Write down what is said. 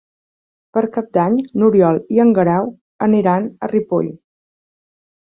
Per Cap d'Any n'Oriol i en Guerau aniran a Ripoll.